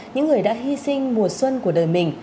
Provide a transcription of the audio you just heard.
những người đã hy sinh mùa xuân của đời mình